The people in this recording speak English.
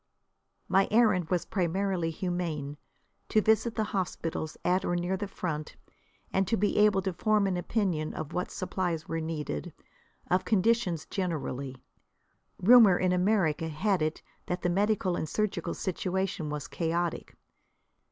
My errand was primarily humane, to visit the hospitals at or near the front, and to be able to form an opinion of what supplies were needed, of conditions generally. Rumour in America had it that the medical and surgical situation was chaotic.